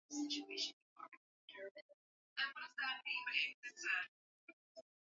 Nkambo yangu ari kuyaka chefu wa mukini